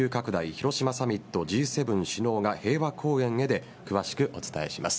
広島サミットＧ７首脳が平和公園へ」で詳しくお伝えします。